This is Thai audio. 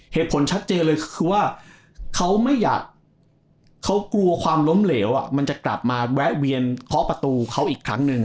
เหตุผลชัดเจนเลยคือว่าเขาไม่อยากเขากลัวความล้มเหลวมันจะกลับมาแวะเวียนเคาะประตูเขาอีกครั้งหนึ่ง